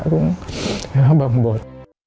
cũng bầm bột